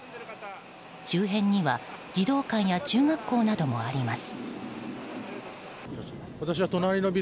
周辺には児童館や中学校などもあります。